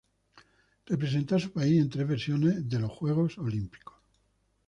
Representó a su país en tres versiones de los Juegos Olímpicos.